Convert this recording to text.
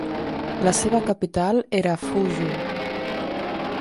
La seva capital era Fuzhou.